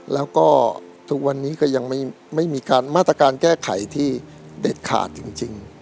แล้วก็ทุกวันนี้ก็ยังไม่มีการมาตรการแก้ไขที่เด็ดขาดจริง